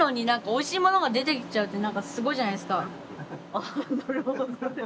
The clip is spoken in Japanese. あなるほど。